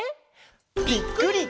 ぴっくり！